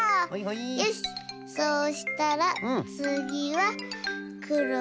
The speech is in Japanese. よしそうしたらつぎはくろで。